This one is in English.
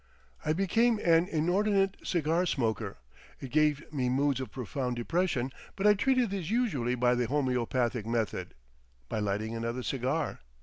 I became an inordinate cigar smoker; it gave me moods of profound depression, but I treated these usually by the homeopathic method,—by lighting another cigar.